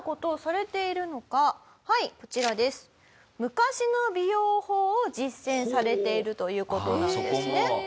昔の美容法を実践されているという事なんですね。